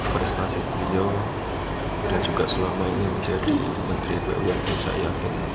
prestasi beliau dan juga selama ini menjadi menteri bumn saya